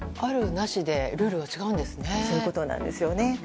あるなしでルールが違うんですね。